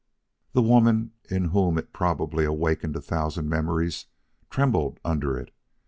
The woman in whom it probably awakened a thousand memories trembled under it.